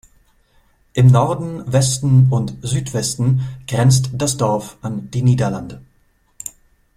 Im Norden, Westen und Südwesten grenzt das Dorf an die Niederlande.